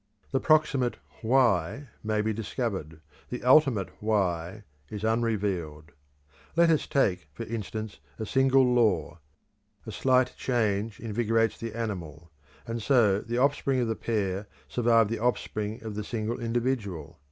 The proximate Why may be discovered; the ultimate Why is unrevealed. Let us take, for instance, a single law. A slight change invigorates the animal; and so the offspring of the pair survive the offspring of the single individual.